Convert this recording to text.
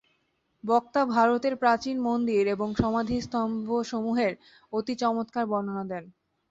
বক্তা ভারতের প্রাচীন মন্দির এবং সমাধিস্তম্ভসমূহের অতি চমৎকার বর্ণনা দেন।